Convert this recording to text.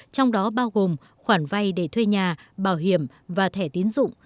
trong đó bao gồm khoản vay để thuê nhà bảo hiểm và thẻ tiến dụng